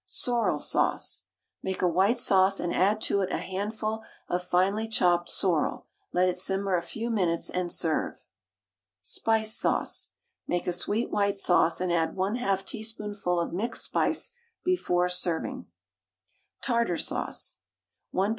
SORREL SAUCE. Make a white sauce, and add to it a handful of finely chopped sorrel; let it simmer a few minutes, and serve. SPICE SAUCE. Make a sweet white sauce, and add 1/2 teaspoonful of mixed spice before serving. TARTARE SAUCE. 1 lb.